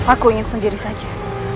aku ingin sendiri saja